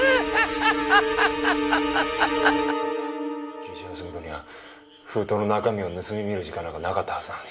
霧島澄子には封筒の中身を盗み見る時間なんかなかったはずなのに。